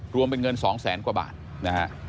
รวมเป็นเงิน๒แสนกว่าบาทนะฮะ